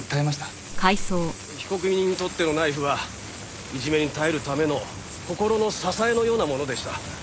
被告人にとってのナイフはいじめに耐えるための心の支えのようなものでした。